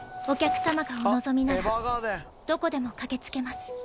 「お客さまがお望みならどこでも駆け付けます」